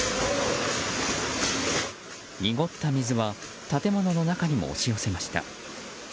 濁った水は建物の中にも押し寄せました。